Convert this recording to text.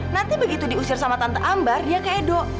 nanti begitu diusir sama tante ambar dia ke edo